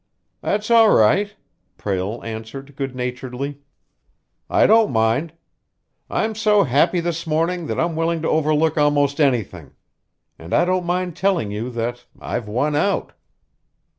"That's all right," Prale answered good naturedly. "I don't mind. I'm so happy this morning that I'm willing to overlook almost anything. And I don't mind telling you that I've won out."